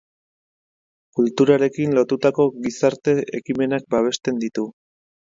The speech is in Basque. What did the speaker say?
Kulturarekin lotutako gizarte ekimenak babesten ditu.